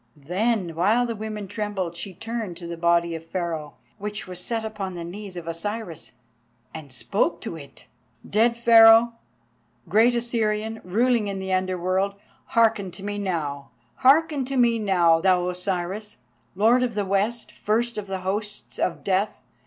Then, while the women trembled, she turned to the body of Pharaoh, which was set upon the knees of Osiris, and spoke to it. "Dead Pharaoh! great Osirian, ruling in the Underworld, hearken to me now! Hearken to me now, thou Osiris, Lord of the West, first of the hosts of Death.